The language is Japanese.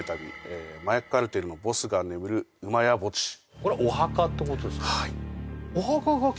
これお墓ってことですか？